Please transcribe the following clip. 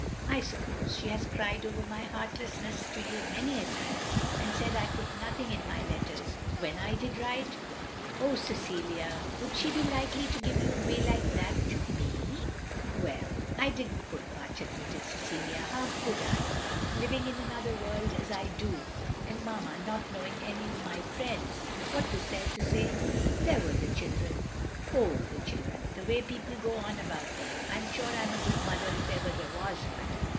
I suppose she has cried over my heartlessness to you many a time, and said I put nothing in my letters when I did write?" "Oh, Cecilia, would she be likely to give you away like that to me!'* " Well — I did n't put much, " admitted Cecilia. "How could I? Living in another world as I OF GROSVENOR SQUARE 173 do, and Mamma not knowing any of my friends? What was there to say?" ''There were the children." " Oh, the children. The way people go on about them. I 'm sure I *m a good mother if ever there was one.